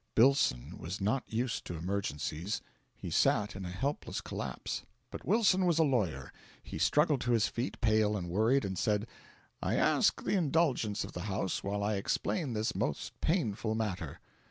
Billson was not used to emergencies; he sat in a helpless collapse. But Wilson was a lawyer. He struggled to his feet, pale and worried, and said: "I ask the indulgence of the house while I explain this most painful matter.